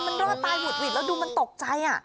มันรอดตายหวุ่ดหวิดดูว่ามันตกใจ